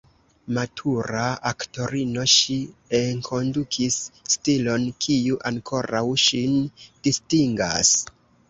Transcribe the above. Matura aktorino, ŝi enkondukis stilon kiu ankoraŭ ŝin distingas.